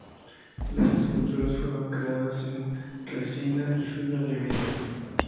Las esculturas fueron creadas en resina y fibra de vidrio.